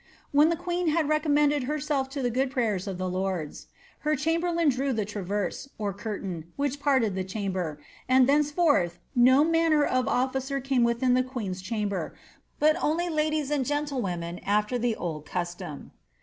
When the queen had recommended herself to the good prayers of the lords, her cham berlain drew the traverse, or curtain, which parted the chamber, and ^ thenceforth no manner of officer came within the queen's chamber, but only ladies and gentlewomen after the old custom."